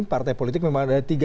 partai politik memang ada tiga